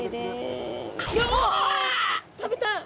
食べた！